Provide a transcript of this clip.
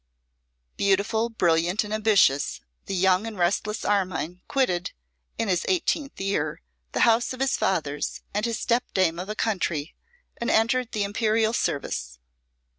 Beautiful, brilliant, and ambitious, the young and restless Armine quitted, in his eighteenth year, the house of his fathers, and his stepdame of a country, and entered the Imperial service.